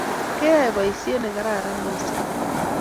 Keyai poisyet ne kararan missing'